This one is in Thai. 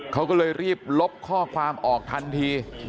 เขาก็เลยรีบลบข้อความออกทันที